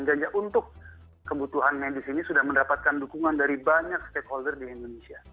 ganja untuk kebutuhan medis ini sudah mendapatkan dukungan dari banyak stakeholder di indonesia